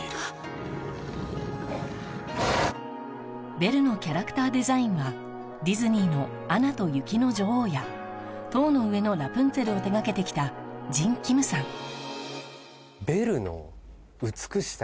ベルのキャラクターデザインはディズニーの『アナと雪の女王』や『塔の上のラプンツェル』を手掛けて来たジン・キムさんホント？